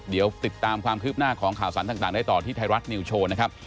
เดี๋ยวติดตามความคืบหน้าของข่าวสารต่างได้ต่อที่ไทยรัฐนิวโชว์นะครับ